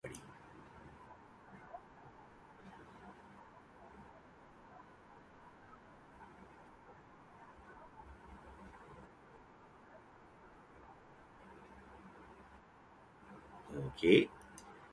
He chose this prison in particular because it previously had no cases of pellagra.